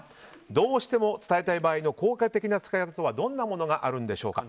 どうしても伝えたい場合の効果的な伝え方はどんなものがあるんでしょうか？